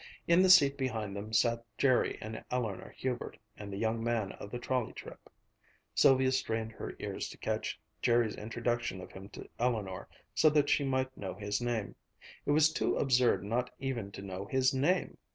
In the seat behind them sat Jerry and Eleanor Hubert and the young man of the trolley trip. Sylvia strained her ears to catch Jerry's introduction of him to Eleanor, so that she might know his name. It was too absurd not even to know his name!